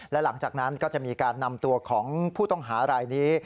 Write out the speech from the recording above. และหลังจากนั้นก็จะมีการนำตัวของผู้ต้องหารายนี้